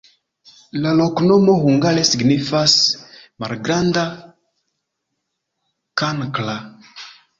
La loknomo hungare signifas: malgranda-kankra.